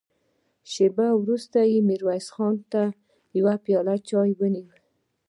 شېبه وروسته يې ميرويس خان ته يوه پياله ونيوله.